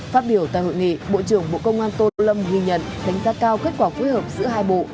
phát biểu tại hội nghị bộ trưởng bộ công an tô lâm ghi nhận đánh giá cao kết quả phối hợp giữa hai bộ